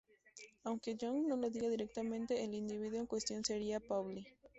Aunque Jung no lo diga directamente, el individuo en cuestión sería Pauli.